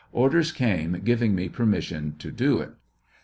orders came giving me permission to do it.